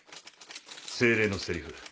精霊のセリフ